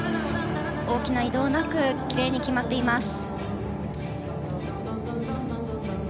大きな移動なく奇麗に決まっています。